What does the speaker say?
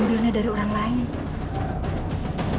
biar saya yang bawa tehnya